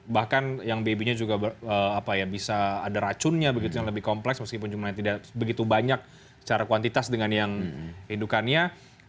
bahkan yang baby nya juga bisa ada racunnya begitu yang lebih kompleks meskipun jumlahnya tidak begitu banyak secara kuantitas dengan yang indukannya